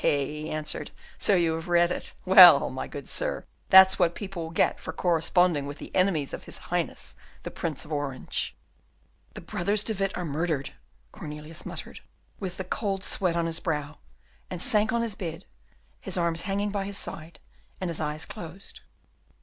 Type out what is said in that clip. eh!" he answered, "so, you have read it. Well, my good sir, that's what people will get for corresponding with the enemies of his Highness the Prince of Orange." "The brothers De Witt are murdered!" Cornelius muttered, with the cold sweat on his brow, and sank on his bed, his arms hanging by his side, and his eyes closed.